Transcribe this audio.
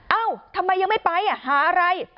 เอ้าทำไมยังไม่ไปหาอะไร